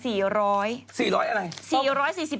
๔๐๐อะไร